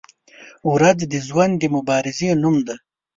• ورځ د ژوند د مبارزې نوم دی.